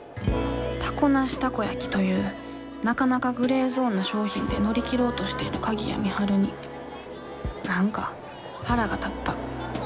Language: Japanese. タコなしタコ焼きというなかなかグレーゾーンな商品で乗り切ろうとしている鍵谷美晴に何か腹が立った。